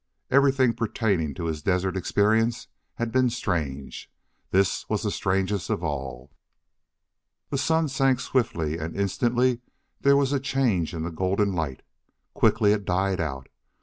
Everything pertaining to his desert experience had been strange this the strangest of all. The sun sank swiftly, and instantly there was a change in the golden light. Quickly it died out.